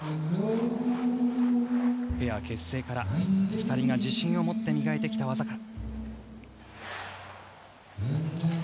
ペア結成から２人が自信をもって磨いてきた技。